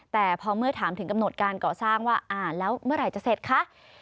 แต่พอเมื่อถามถึงกำหนดการก่อสร้างว่าอ่านแล้วเมื่อไหร่จะเสร็จคะ